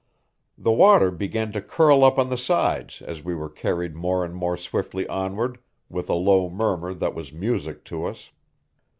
The water began to curl up on the sides as we were carried more and more swiftly onward, with a low murmur that was music to us.